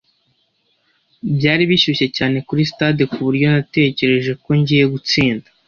Byari bishyushye cyane kuri stade kuburyo natekereje ko ngiye gutsinda.